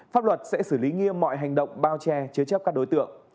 pháp luật sẽ xử lý nghiêm mọi hành động bao che chứa chấp các đối tượng